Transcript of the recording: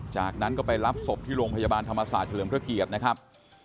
จากนั้นก็ไปรับศพที่โรงพยาบาลธรรมศาสตร์เฉลิมพระเกียรตินะครับ